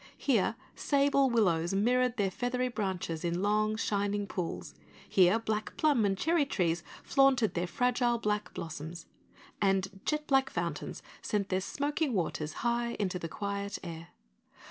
Here sable willows mirrored their feathery branches in long shining pools, here black plum and cherry trees flaunted their fragile black blossoms, and jet black fountains sent their smoking waters high into the quiet air.